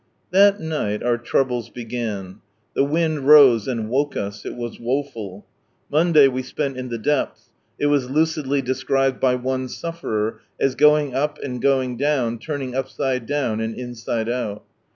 That night our troubles began ; the wind rose and woke us, it was woeful. ... Monday we spent in the depths, it was lucidly described by one sufferer as "going up, and going down, turning upside down, and inside out."